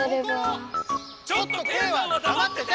ちょっとケイはだまってて！